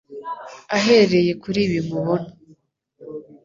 Ahereye kuri ibi mubona